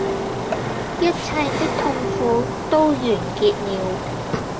一切的痛苦都完結了